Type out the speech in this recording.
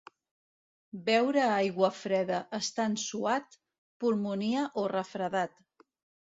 Beure aigua freda estant suat, pulmonia o refredat.